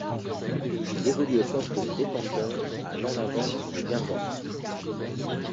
Il évolue au poste de défenseur à l'En Avant de Guingamp.